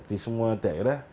di semua daerah